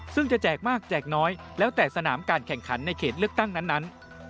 ซึ่งจะแจกมากแจกน้อยแล้วแต่สนามการแข่งขันในเขตเลือกตั้งนั้น